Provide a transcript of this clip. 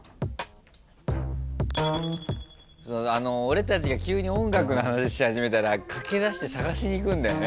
俺たちが急に音楽の話し始めたら駆けだして探しにいくんだよね。